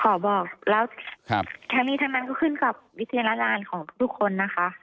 ขอบอกแล้วทั้งนี้ทั้งนั้นก็ขึ้นกับวิจารณญาณของทุกคนนะคะ